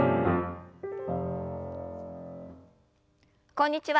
こんにちは